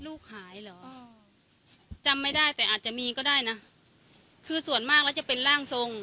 ลูกหายเหรอจำไม่ได้แต่อาจจะมีก็ได้นะคือส่วนมากแล้วจะเป็นร่างทรง